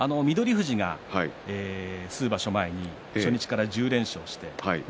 富士が数場所前に初日から１０連勝して翠